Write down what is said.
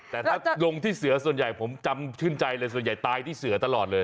แต่ถ้าลงที่เสือส่วนใหญ่ผมจำชื่นใจเลยส่วนใหญ่ตายที่เสือตลอดเลย